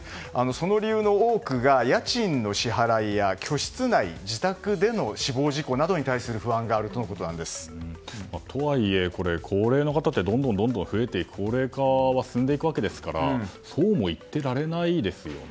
その理由の多くが家賃の支払いや居室内、自宅での死亡事故などに対するとはいえ、高齢の方ってどんどん増えて行って高齢化は進んでいくわけですからそうも言ってられないですよね。